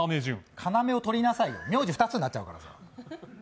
要を取りなさい、名字２つになっちゃうからさ。